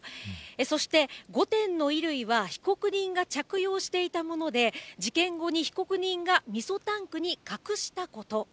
そして５点の衣類は被告人が着用していたもので、事件後に被告人がみそタンクに隠したこと。